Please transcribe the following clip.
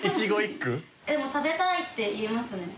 「食べたい」って言いますね。